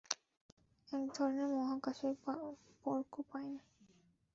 এক ধরণের মহাকাশের পর্কুপাইন।